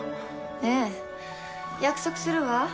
ええ約束するわ